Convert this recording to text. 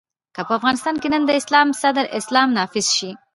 که په افغانستان کې نن د اسلام صدر اسلام نافذ شي.